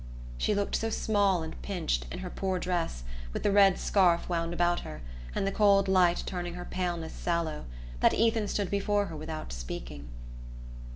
She looked so small and pinched, in her poor dress, with the red scarf wound about her, and the cold light turning her paleness sallow, that Ethan stood before her without speaking.